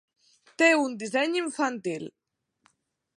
Té un disseny infantil.